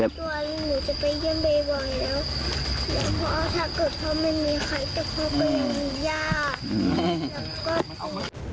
แล้วก็